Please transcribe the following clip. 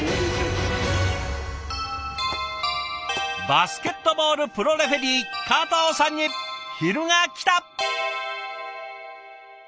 バスケットボールプロレフェリー加藤さんに昼がきた！